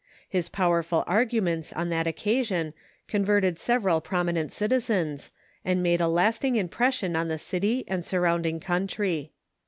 His powerful arguments on that occa sion converted several prominent citizens, and made a lasting impression on the city and surrounding country.